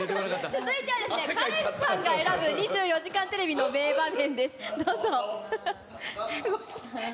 続いてはですね、カレンさんが選ぶ２４時間テレビの名場面です。